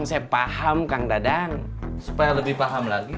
supaya orang orang ketiga sudah correct